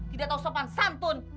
tidak tahu sopan santun